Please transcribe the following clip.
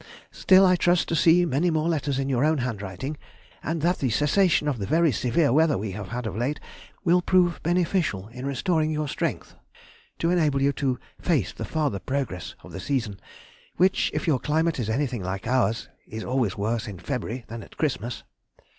Still I trust to see many more letters in your own handwriting, and that the cessation of the very severe weather we have had of late will prove beneficial in restoring your strength, to enable you to face the farther progress of the season, which, if your climate is anything like ours, is always worse in February than at Christmas....